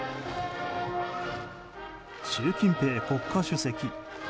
習近平国家主席。